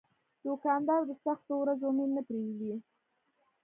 دوکاندار د سختو ورځو امید نه پرېږدي.